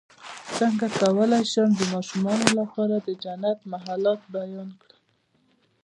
څنګه کولی شم د ماشومانو لپاره د جنت محلات بیان کړم